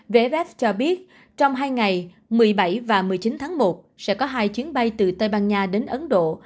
vé rf cho biết trong hai ngày một mươi bảy và một mươi chín tháng một sẽ có hai chuyến bay từ tây ban nha đến ấn độ